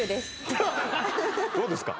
どうですか？